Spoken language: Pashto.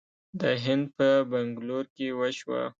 د هند په بنګلور کې وشوه